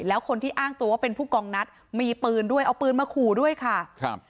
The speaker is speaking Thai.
แล้วคนที่อ้างตัวว่าเป็นผู้กองนัดมีปืนด้วยเอาปืนมาขู่ด้วยค่ะครับ